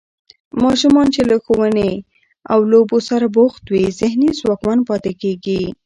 ماشومان چې له ښوونې او لوبو سره بوخت وي، ذهني ځواکمن پاتې کېږي.